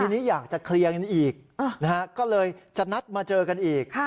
ทีนี้อยากจะเคลียร์กันอีกก็เลยจะนัดมาเจอกันอีก